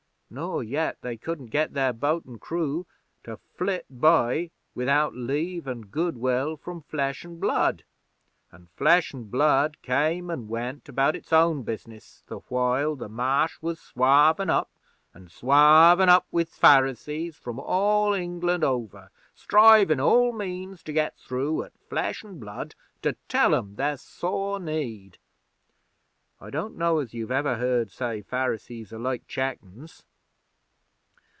Nor yet they couldn't get their boat an' crew to flit by without Leave an' Good will from Flesh an' Blood; an' Flesh an' Blood came an' went about its own business the while the Marsh was swarvin' up, an' swarvin' up with Pharisees from all England over, strivin' all means to get through at Flesh an' Blood to tell 'em their sore need ... I don't know as you've ever heard say Pharisees are like chickens?'